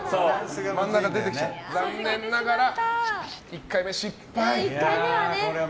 残念ながら１回目は失敗。